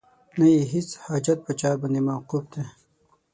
نه یې هیڅ حاجت په چا باندې موقوف دی